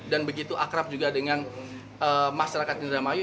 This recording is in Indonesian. dan begitu akrab juga dengan masyarakat di ramayu